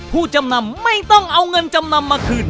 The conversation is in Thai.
ผู้จำนำไม่ต้องเอาเงินจำนำมาคืน